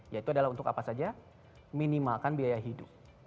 yaitu adalah untuk apa saja minimalkan biaya hidup